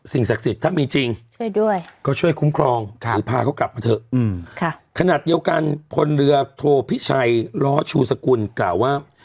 ศักดิ์สิทธิ์ถ้ามีจริงช่วยด้วยก็ช่วยคุ้มครองหรือพาเขากลับมาเถอะขนาดเดียวกันพลเรือโทพิชัยล้อชูสกุลกล่าวว่า